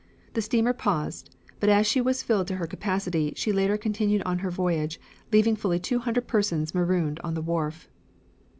The steamer paused, but as she was filled to her capacity she later continued on her voyage, leaving fully two hundred persons marooned on the wharf.